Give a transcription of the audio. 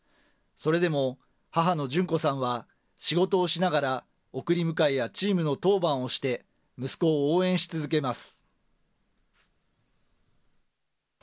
それでも母の順子さんは、仕事をしながら送り迎えやチームの当番をして、息子を応援し続けます。